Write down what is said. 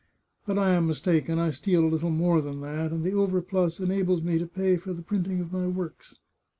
But I am mistaken ; I steal a little more than that, and the overplus enables me to pay for the printing of my works."